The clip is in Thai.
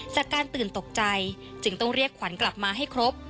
จากการตื่นตกใจจึงต้องเรียกขวัญกลับมาให้ครบ